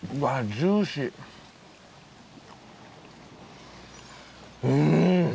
ジューシーうん！